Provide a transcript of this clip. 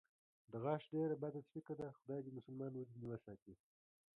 د غاښ ډېره بده څړیکه ده، خدای دې مسلمان ورځنې ساتي.